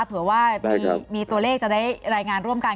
เผื่อว่ามีตัวเลขจะได้รายงานร่วมกัน